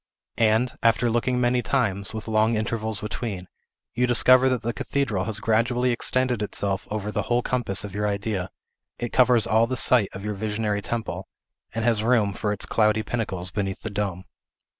And, after looking many times, with long intervals between, you discover that the cathedral has gradually extended itself over the whole compass of your idea; it covers all the site of your visionary temple, and has room for its cloudy pinnacles beneath the dome.